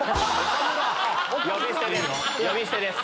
呼び捨てです。